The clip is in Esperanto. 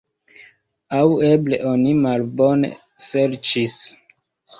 Aŭ eble oni malbone serĉis.